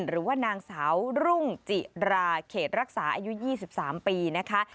หรือว่านางสาวรุ่งจิราเขตรักษาอายุ๒๓ปีนะคะ